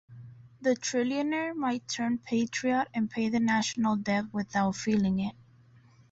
The trillionaire might turn patriot and pay the national debt without feeling it.